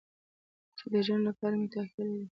چې د ژوند لپاره مې ټاکلی دی.